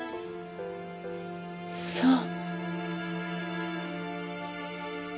そう。